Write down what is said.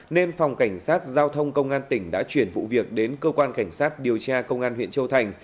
nên phòng cảnh sát giao thông công an tỉnh đã chuyển vụ việc đến cơ quan cảnh sát điều tra công an huyện châu thành